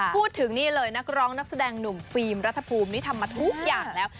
พูดถึงนี่เลยนักร้องนักแสดงหนุ่มฟิล์มรัฐภูมินี่ทำมาทุกอย่างแล้ว